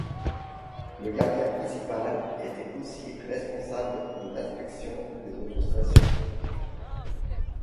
Le gardien principal était aussi responsable de l'inspection des autres stations.